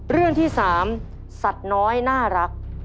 เรื่องที่๓สัตว์น้อยน่ารัก